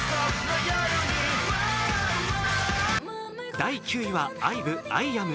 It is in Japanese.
第９位はＩＶＥ、「ＩＡＭ」。